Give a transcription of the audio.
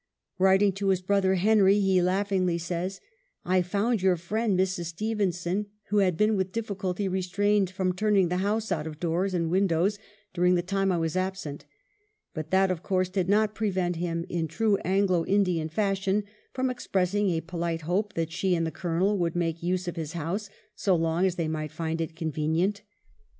"Writing to his brother Henry, he laughingly says, "I found your friend Mrs. Stevenson, who had been with difficulty restrained from turning the house out of doors and windows during the time I was absent;" but that, of course, did not prevent him in true Anglo Indian fashion from expressing a polite hope that she and the Colonel would make use of his house so long as they might find it convenient.